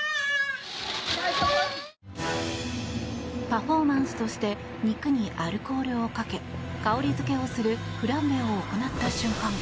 パフォーマンスとして肉にアルコールをかけ香り付けをするフランベを行った瞬間